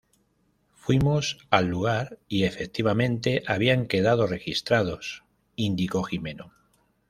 Fuimos al lugar y efectivamente habían quedado registrados"", indicó Jimeno.